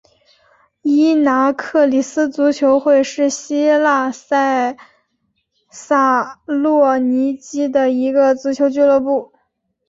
伊拿克里斯足球会是希腊塞萨洛尼基的一个足球俱乐部。